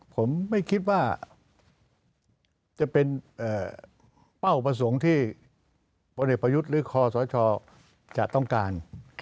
ผมไม่คิดว่าจะเป็นเป้าประสงค์ที่พลเอกประยุทธ์หรือคอสชจะต้องการ